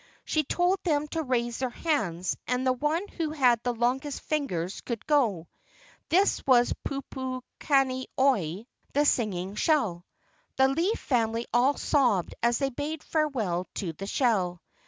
She told them to raise their hands and the one who had the longest fingers could go. This was Pupu kani oi (the singing shell). The leaf family all sobbed as they bade farewell to the shell.